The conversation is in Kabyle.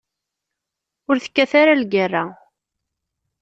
Ur tekkat ara lgerra.